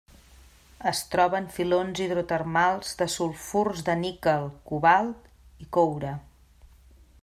Es troba en filons hidrotermals de sulfurs de níquel, cobalt i coure.